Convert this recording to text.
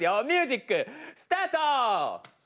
ミュージックスタート！